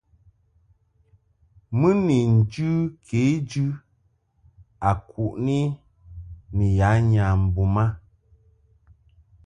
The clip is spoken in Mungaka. Mɨ ni njɨ kejɨ a kuʼni ni ya nyambum a.